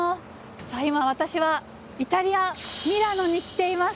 さあ今私はイタリアミラノに来ています。